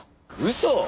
嘘！？